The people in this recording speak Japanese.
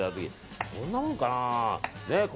こんなもんかな。